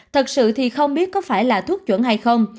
thật sự thì không biết có phải là thuốc chuẩn hay không